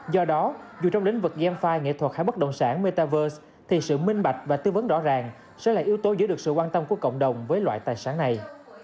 do đó dù trong lĩnh vực gen fi nghệ thuật hay bất động sản metaverse thì sự minh bạch và tư vấn rõ ràng sẽ là yếu tố giữ được sự quan tâm của cộng đồng với loại tài sản này